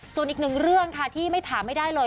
ส่วนอีกหนึ่งเรื่องค่ะที่ไม่ถามไม่ได้เลย